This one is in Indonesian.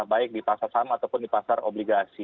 baik di pasar saham ataupun di pasar obligasi